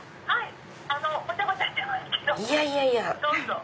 はい。